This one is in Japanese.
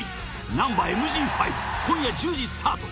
「ナンバＭＧ５」今夜１０時スタート。